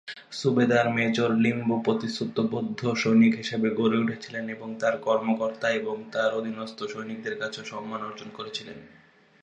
সুবেদার major Limbu প্রতিশ্রুতিবদ্ধ সৈনিক হিসাবে গড়ে উঠেছিলেন এবং তাঁর কর্মকর্তা এবং তাঁর অধীনস্থ সৈনিকদের কাছেও সম্মান অর্জন করেছিলেন।